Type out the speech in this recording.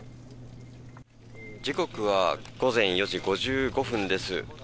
時刻は午前４時５５分です。